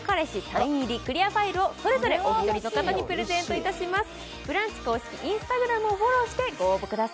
サイン入りクリアファイルをそれぞれお一人の方にプレゼントいたします。